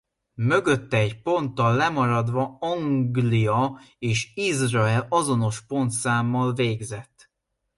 Mögötte egy ponttal lemaradva Anglia és Izrael azonos pontszámmal végzett.